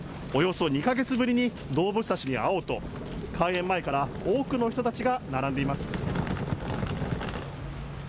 およそ２か月ぶりに動物たちに会おうと開園前から多くの人たちが並んでいます。